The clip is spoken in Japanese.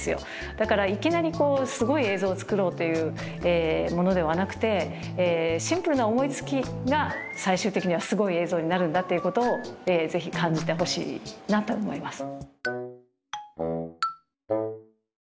だからいきなりすごい映像を作ろうというものではなくてシンプルな思いつきが最終的にはすごい映像になるんだということを是非感じてほしいなと思います。